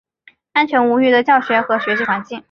安全无虞的教学和学习环境